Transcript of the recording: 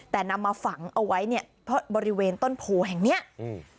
แต่นำมาฝังเอาไว้เนี้ยเพราะบริเวณต้นโพแห่งเนี้ยอืม